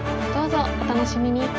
どうぞお楽しみに！